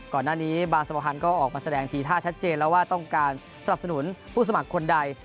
ก่อนหน้านี้บางสมาธานก็ออกมาแสดงทีท่าชัดเจนแล้วว่าต้องการสรรพสนุนผู้สมัครคนใด